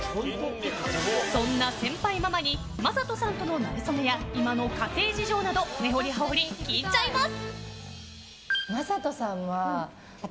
そんな先輩ママに魔裟斗さんとの馴れ初めや今の家庭事情など根掘り葉掘り聞いちゃいます。